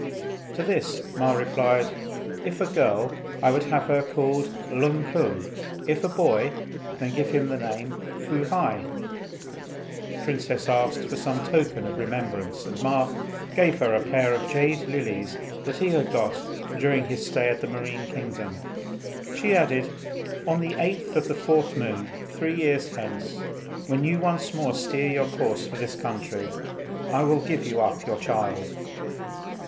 To this Ma replied, "If a girl I would have her called Lung kung; if a boy, then name him Fu hai." The princess asked for some token of remembrance, and Ma gave her a pair of jade lilies that he had got during his stay in the marine kingdom. She added, "On the 8th of the 4th moon, three years hence, when you once more steer your course for this country, I will give you up your child."